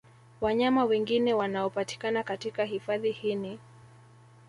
Wanyama wengine wanaopatikana katika hifadhi hii ni